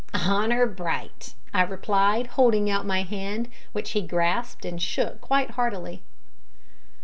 "Honour bright!" I replied, holding out my hand, which he grasped and shook quite heartily.